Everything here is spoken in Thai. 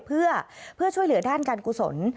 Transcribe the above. เพื่อช่วยเหลือด้านการกุศล